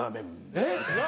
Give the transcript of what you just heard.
えっ？